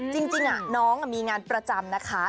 จริงน้องมีงานประจำนะคะ